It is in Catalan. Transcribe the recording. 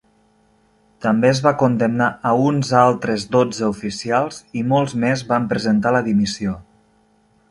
També es va condemnar a uns altres dotze oficials i molts més van presentar la dimissió.